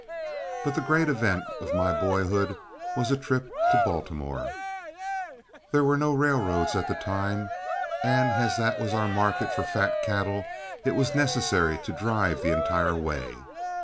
But the great event of my boyhood was a trip to Baltimore. There was no railroad at the time, and as that was our market for fat cattle, it was necessary to drive the entire way.